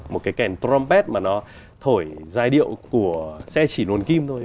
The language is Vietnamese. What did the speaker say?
một cái kèn prompad mà nó thổi giai điệu của xe chỉ luồn kim thôi